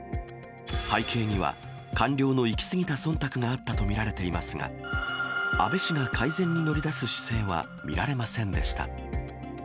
背景には官僚の行き過ぎたそんたくがあったと見られていますが、安倍氏が改善に乗り出す姿勢は見られませんでした。